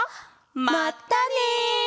まったね！